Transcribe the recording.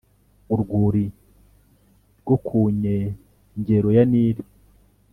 Urwuri rwo kunyengero ya Nili